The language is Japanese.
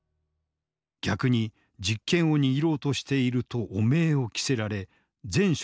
逆に実権を握ろうとしていると汚名を着せられ全職務を解任。